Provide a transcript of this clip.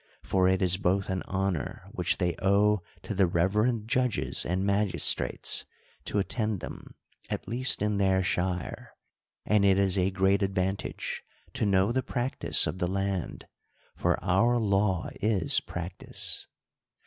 For it is both an honor which they owe to the reverend judges and magistrates, to attend them, at least in their shire : and it is a great advantage to know the practice of the land ; for our law is practice.